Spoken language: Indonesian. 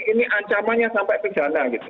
ini ancamannya sampai pidana gitu